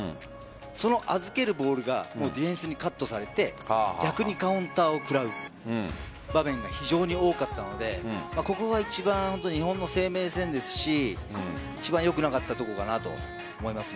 その預けるボールがディフェンスにカットされて逆にカウンターを食らう場面が非常に多かったのでここが一番、日本の生命線ですし一番良くなかったところかなと思います。